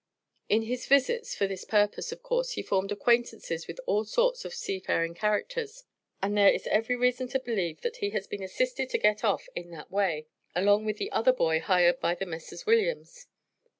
In his visits for this purpose, of course, he formed acquaintances with all sorts of sea faring characters; and there is every reason to believe that he has been assisted to get off in that way, along with the other boy, hired to the Messrs. Williams.